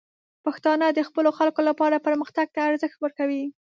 پښتانه د خپلو خلکو لپاره پرمختګ ته ارزښت ورکوي.